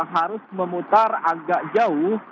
harus memutar agak jauh